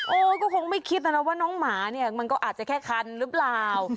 เออก็คงไม่คิดนะนะว่าน้องหมาเนี่ยมันก็อาจจะแค่คันหรือเปล่า